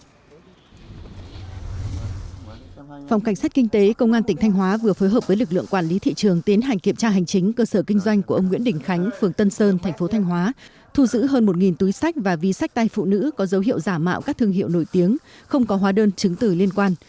phòng cảnh sát kinh tế công an tỉnh thanh hóa vừa phối hợp với lực lượng quản lý thị trường tiến hành kiểm tra hành chính cơ sở kinh doanh của ông nguyễn đình khánh phường tân sơn thành phố thanh hóa thu giữ hơn một túi sách và vi sách tay phụ nữ có dấu hiệu giả mạo các thương hiệu nổi tiếng không có hóa đơn chứng tử liên quan